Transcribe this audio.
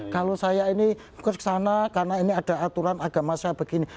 kalau saya ini kesana karena ini ada aturan agama saya begini